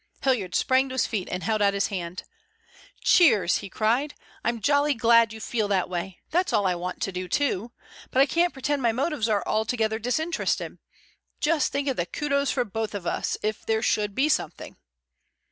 Hilliard sprang to his feet and held out his hand. "Cheers!" he cried. "I'm jolly glad you feel that way. That's all I want to do too. But I can't pretend my motives are altogether disinterested. Just think of the kudos for us both if there should be something."